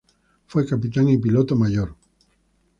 Fue capitán y piloto mayor.